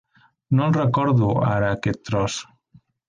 No el recordo, ara, aquest tros.